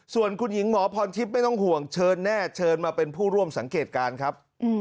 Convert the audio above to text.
ส่วนคุณหญิงหมอพรทิพย์ไม่ต้องห่วงเชิญแน่เชิญมาเป็นผู้ร่วมสังเกตการณ์ครับ